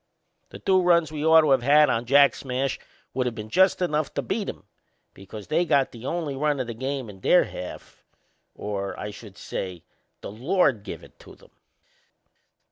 The two runs we ought to of had on Jack's smash would of been just enough to beat 'em, because they got the only run o' the game in their half or, I should say, the Lord give it to 'em.